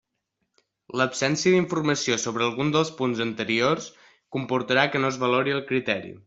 L'absència d'informació sobre algun dels punts anteriors comportarà que no es valori el criteri.